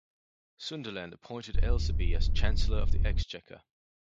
Sunderland appointed Aislabie as Chancellor of the Exchequer.